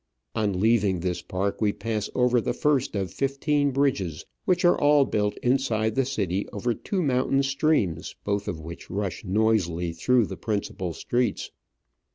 On leaving this park we pass over the first of fifteen bridges, which are all built inside the city over two mountain streams, both of which rush noisily through the principal streets.